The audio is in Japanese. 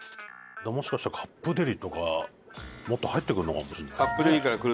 もしかしたらカップデリとかもっと入ってくるのかもしれないですね。